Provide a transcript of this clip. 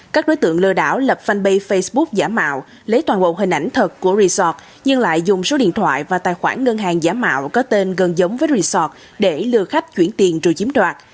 các đối tượng lừa đảo lập fanpage facebook giả mạo lấy toàn bộ hình ảnh thật của resort nhưng lại dùng số điện thoại và tài khoản ngân hàng giả mạo có tên gần giống với resort để lừa khách chuyển tiền trừ chiếm đoạt